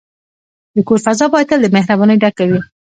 د کور فضا باید تل د مهربانۍ ډکه وي.